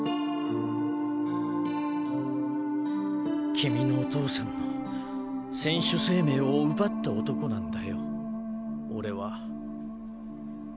君のお父さんの選手生命を奪った男なんだよ俺は。